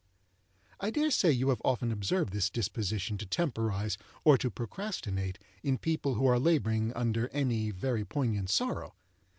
I dare say you have often observed this disposition to temporize, or to procrastinate, in people who are labouring under any very poignant sorrow.